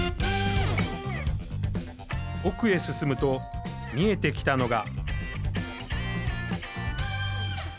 奥へ進むと、見えてきたのが。